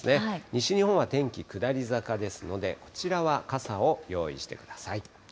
西日本は天気下り坂ですので、こちらは傘を用意してください。